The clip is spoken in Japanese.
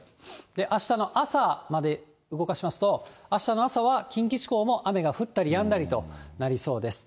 あしたの朝まで動かしますと、あしたの朝は、近畿地方も雨が降ったりやんだりとなりそうです。